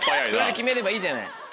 それで決めればいいじゃない。